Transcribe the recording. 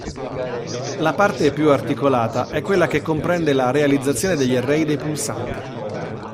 La parte più articolata è quella che comprende la realizzazione degli array dei pulsanti.